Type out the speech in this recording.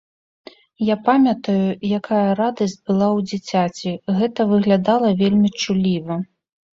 Я памятаю, якая радасць была ў дзіцяці, гэта выглядала вельмі чулліва.